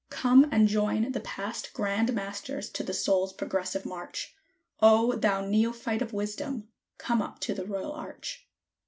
Come and join the Past Grand Masters, in the Soul's progressive march, O, thou neophyte of Wisdom! Come up to the Royal Arch!"